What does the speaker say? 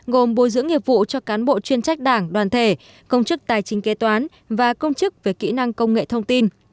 gồm bồi dưỡng nghiệp vụ cho cán bộ chuyên trách đảng đoàn thể công chức tài chính kế toán và công chức về kỹ năng công nghệ thông tin